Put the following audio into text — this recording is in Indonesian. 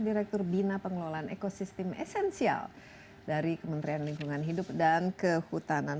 direktur bina pengelolaan ekosistem esensial dari kementerian lingkungan hidup dan kehutanan